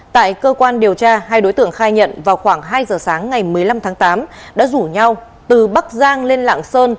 tại cơ quan điều tra hai đối tượng khai nhận vào khoảng hai giờ sáng ngày một mươi năm tháng tám đã rủ nhau từ bắc giang lên lạng sơn